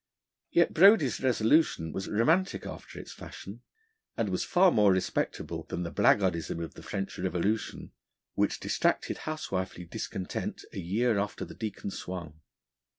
Yet Brodie's resolution was romantic after its fashion, and was far more respectable than the blackguardism of the French Revolution, which distracted housewifely discontent a year after the Deacon swung.